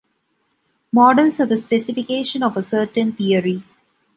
Models are the specification of a certain theory.